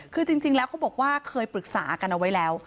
คือจริงแล้วเขาบอกว่าเคยปรึกษากันเอาไว้แล้ว